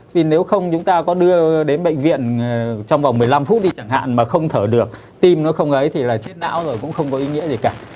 thì nếu không chúng ta có đưa đến bệnh viện trong vòng một mươi năm phút đi chẳng hạn mà không thở được tim nó không ấy thì là chết não rồi cũng không có ý nghĩa gì cả